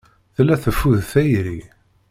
Tella teffud tayri.